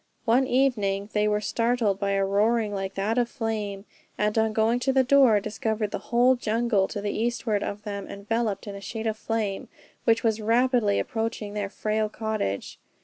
One evening, they were startled by a roaring like that of flame, and on going to the door, discovered the whole jungle to the eastward of them enveloped in sheets of flame, which was rapidly approaching their frail cottage.